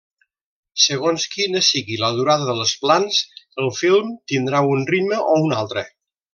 Segons quina sigui la durada dels plans, el film tindrà un ritme o un altre.